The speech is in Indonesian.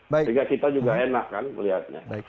sehingga kita juga enak kan melihatnya